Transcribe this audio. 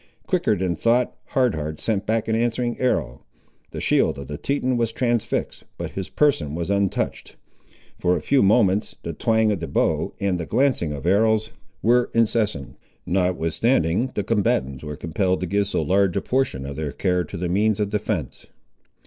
Quicker than thought Hard Heart sent back an answering arrow. The shield of the Teton was transfixed, but his person was untouched. For a few moments the twang of the bow and the glancing of arrows were incessant, notwithstanding the combatants were compelled to give so large a portion of their care to the means of defence.